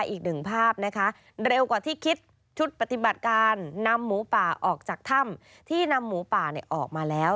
อีกหนึ่งภาพนะคะเร็วกว่าที่คิดชุดปฏิบัติการนำหมูป่าออกจากถ้ำที่นำหมูป่าออกมาแล้ว